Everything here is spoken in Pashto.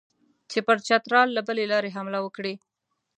چې پر چترال له بلې لارې حمله وکړي.